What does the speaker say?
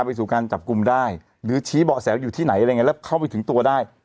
ไปสู่การจับกลุ่มได้หรือชี้เบาะแสอยู่ที่ไหนอะไรยังไงแล้วเข้าไปถึงตัวได้